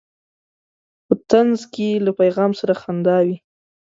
په طنز کې له پیغام سره خندا وي.